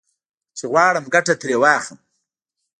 چې غواړم ګټه ترې واخلم.